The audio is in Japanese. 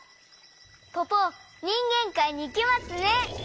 ポポにんげんかいにいけますね！